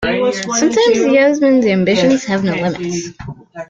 Sometimes Yasmin's ambitions have no limits.